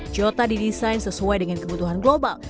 jota didesain sesuai dengan kebutuhan global